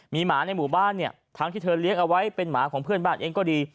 มีหมาในหมู่บ้านเนี่ยทั้งที่เธอเลี้ยงเอาไว้เป็นหมาของเพื่อนบ้านเองก็ดี